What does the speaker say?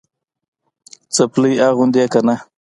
څپلۍ اغوندې که نه؟